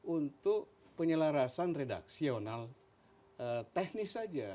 untuk penyelarasan redaksional teknis saja